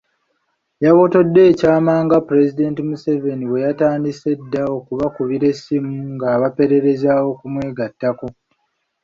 Yabotodde ekyama nga Pulezidenti Museveni bwe yatandise edda okubakubira essimu ng'abaperereza okumwegattako.